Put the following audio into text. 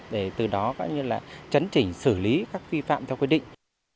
để từ đó chấn chỉnh xử lý các vi phạm theo quy định